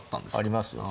ありますね。